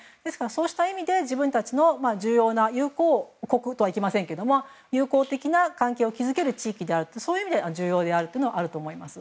そうした意味で、自分たちの重要な友好国とはいきませんが友好的な関係を築ける地域だという意味では重要であるというのはあると思います。